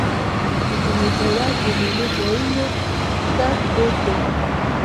د جمعې په ورځ د میلو ځایونو ته تګ دود دی.